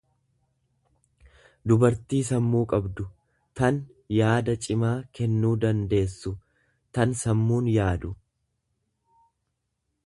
dubartii sammuu qabdu, tan yaada cimaa kennuu dandeessu, tan sammuun yaadu.